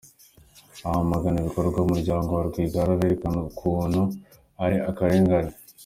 abamagana ibikorerwa umuryango wa Rwigara berekana ukuntu ari akarengane